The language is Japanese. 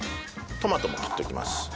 トマトも切っておきます。